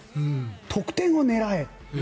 得点を狙え。